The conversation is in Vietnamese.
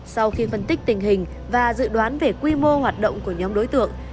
sau khi phân tích tình hình và dự đoán về quy mô hoạt động của nhóm đối tượng